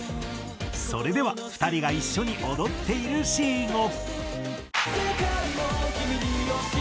それでは２人が一緒に踊っているシーンを。